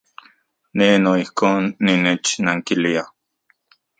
Ne noijkon nimechnankilia.